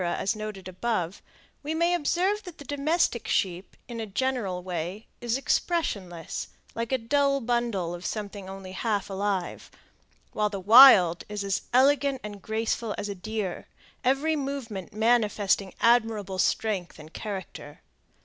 as noted above, we may observe that the domestic sheep, in a general way, is expressionless, like a dull bundle of something only half alive, while the wild is as elegant and graceful as a deer, every movement manifesting admirable strength and character.